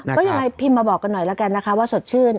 นะค่ะก็อย่างไรพิมมาบอกกันหน่อยแล้วกันนะคะว่าสดชื่น